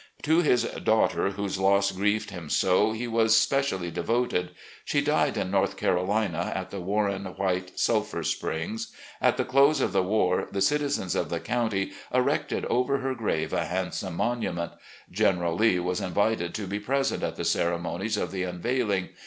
..." To this daughter whose loss grieved him so he was specially devoted. She died in North Carolina, at the Warren White Sulphur Springs. At the close of the war, the citizens of the county erected over her grave a hand some monument. General Lee was invited to be present at the ceremonies of the unveiling.